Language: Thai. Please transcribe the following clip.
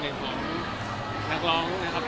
เต็มหรอครับ